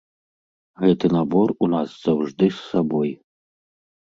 Гэты набор у нас заўжды з сабой!